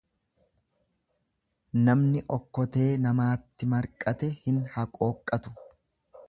Namni okkoteenamaatti marqate hin haqooqqatu.